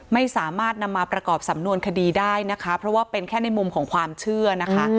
ไม่สามารถนำมาประกอบสำนวนคดีได้นะคะเพราะว่าเป็นแค่ในมุมของความเชื่อนะคะ